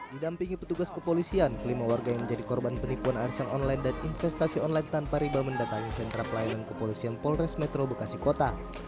didampingi petugas kepolisian kelima warga yang menjadi korban penipuan arisan online dan investasi online tanpa riba mendatangi sentra pelayanan kepolisian polres metro bekasi kota